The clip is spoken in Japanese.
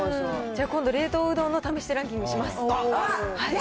じゃあ今度、冷凍うどんの試してランキングします。